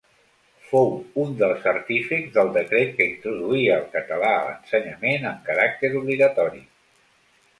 Fou un dels artífexs del decret que introduïa el català a l'ensenyament amb caràcter obligatori.